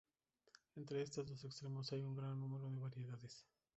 Entre estos dos extremos hay gran número de variedades.